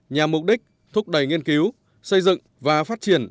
nhằm mục đích thúc đẩy nghiên cứu xây dựng và phát triển